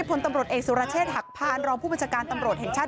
พลตำรวจเอกสุรเชษฐหักพานรองผู้บัญชาการตำรวจแห่งชาติ